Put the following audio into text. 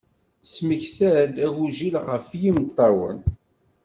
Tesmekta-d agujil ɣef yimeṭṭawen.